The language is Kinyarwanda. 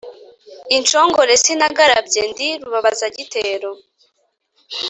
inshongore sinagarambye ndi rubabazigitero